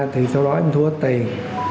thì sau đó em thua hết tiền